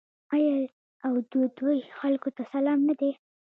آیا او د دوی خلکو ته سلام نه دی؟